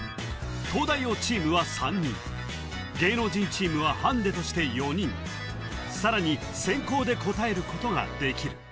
東大王チームは３人芸能人チームはハンデとして４人さらに先攻で答えることができる